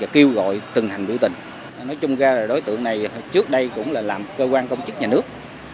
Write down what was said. kiêu gọi từng hành lực tình nói chung ra đối tượng này trước đây cũng là làm cơ quan công chức nhà nước